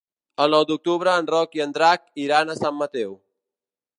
El nou d'octubre en Roc i en Drac iran a Sant Mateu.